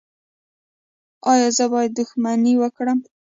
ایا زه باید دښمني وکړم؟